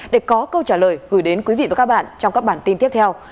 để có câu trả lời gửi đến quý vị và các bạn trong các bản tin tiếp theo